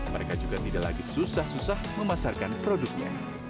mereka juga tidak lagi susah susah memasarkan produknya